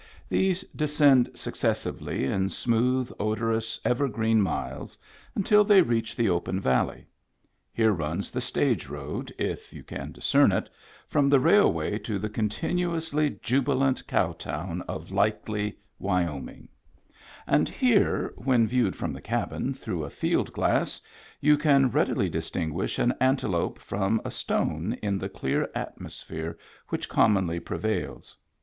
These descend successively in smooth, odorous, evergreen miles until they reach the open valley. Here runs the stage road, if you can discern it, from the railway to the continuously jubilant cow town of Likely, Wyoming; and here, when viewed from the cabin through a field glass, you can readily distinguish an antelope from a stone in the clear atmosphere which commonly pre vails.